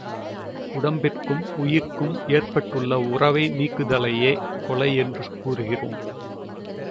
உடம்பிற்கும் உயிர்க்கும் ஏற்பட்டுள்ள உறவை நீக்குதலையே கொலை என்று கூறுகிறோம்.